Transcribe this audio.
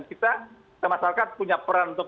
kita termasuk kan punya peran untuk